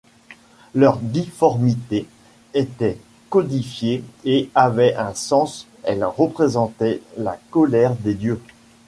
Leur difformité était codifiée et avait un sens, elle représentait la colère des dieux.